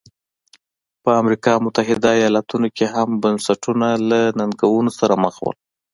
په امریکا متحده ایالتونو کې هم بنسټونه له ننګونو سره مخ وو.